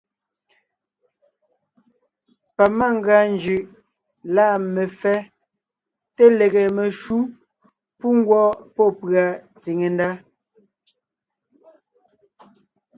Pamangʉa njʉʼ lâ mefɛ́ té lege meshǔ pú ngwɔ́ pɔ́ pʉ̀a tsìŋe ndá.